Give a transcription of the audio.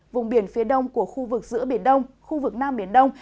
vùng biển phía đông của khu vực giữa biển đông khu vực nam biển đông